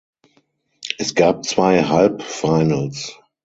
Es gab zwei Halbfinals.